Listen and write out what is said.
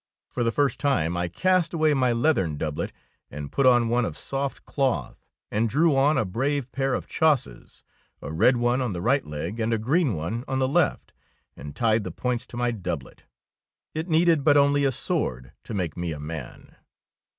For the first time I cast away my leathern doublet and put on one of soft cloth, and drew on a brave pair of chausses, a red one on the right leg and a green one on the left, and tied the points to my doublet. It needed but only a sword to make me a man